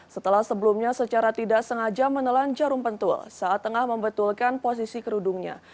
setelah sebelumnya secara tidak sengaja menelan jarum pentul saat tengah membetulkan posisi kerudungnya